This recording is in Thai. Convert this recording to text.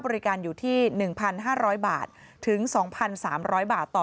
บริการอยู่ที่หนึ่งพันห้าร้อยบาทถึงสองพันสามร้อยบาทต่อ